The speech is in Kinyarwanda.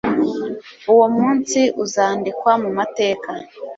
Uwo munsi uzandikwa mumateka